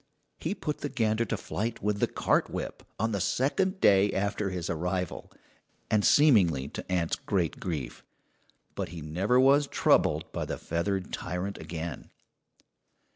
He put the gander to flight with the cart whip, on the second day after his arrival, and seemingly to aunt's great grief; but he never was troubled by the feathered tyrant again.